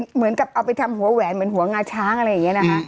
เหมือนกับเอาไปทำหัวแหวนเหมือนหัวงาช้างอะไรอย่างนี้นะคะ